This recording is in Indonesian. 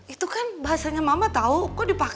itu kan bahasanya mama tau kok dipake